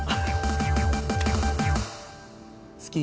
好き。